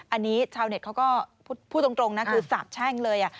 อันนี้ชาวเน็ตเขาก็พูดตรงนะคือสาบแช่งเลย